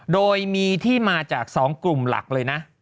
โดยมีที่มาจาก๒กลุ่มหลักเลยนะ